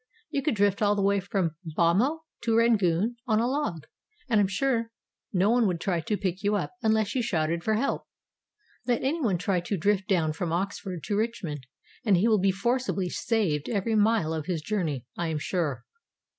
You could drift all the way from Bhamo to Rangoon on a log, and I am sure no one would try to pick you up unless you shouted for help. Let anyone try to drift down from Oxford to Richmond, and he will be forcibly saved every mile of his journey, I am sure.